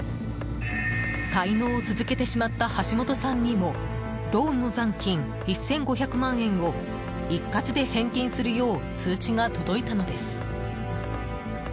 滞納を続けてしまった橋本さんにもローンの残金１５００万円を一括で返金するよう通知が届いたのです。